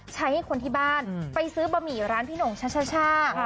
ให้คนที่บ้านไปซื้อบะหมี่ร้านพี่หน่งช่า